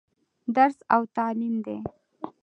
درس او تعليم دى.